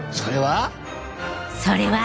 それは。